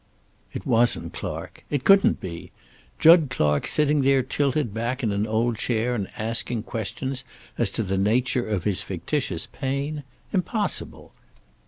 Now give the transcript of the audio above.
It wasn't Clark. It couldn't be. Jud Clark sitting there tilted back in an old chair and asking questions as to the nature of his fictitious pain! Impossible.